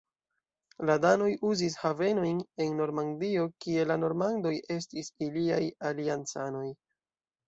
La danoj uzis havenojn en Normandio kie la normandoj estis iliaj aliancanoj.